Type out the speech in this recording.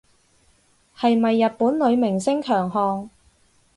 係咪日本女明星強項